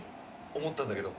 思ったんだけど。